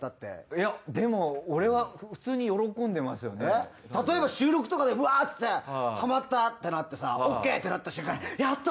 いやでも俺は例えば収録とかでワーッつってハマったってなってさオーケーってなった瞬間「やった！